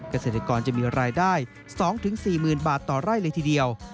เกษตรกรจะมีรายได้๒๔๐๐๐บาทต่อไร่เลยทีเดียว